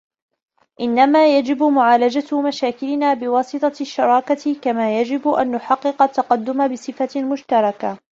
إنما يجب معالجة مشاكلنا بواسطة الشراكة كما يجب أن نحقق التقدم بصفة مشتركة